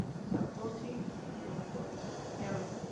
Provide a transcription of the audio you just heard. Satoshi Yokoyama